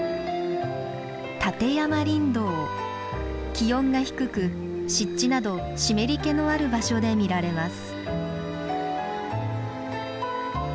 気温が低く湿地など湿り気のある場所で見られます。